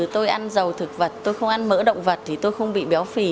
tôi ăn dầu thực vật tôi không ăn mỡ động vật thì tôi không bị béo phì